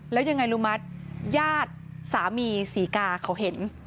แล้วยังไงรู้มั้ยญาติสามีศรีกาเขาเห็น